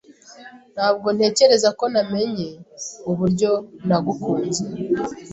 Ntabwo ntekereza ko namenye uburyo nagukunze.